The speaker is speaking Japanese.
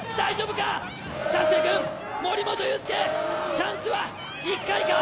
チャンスは１回か？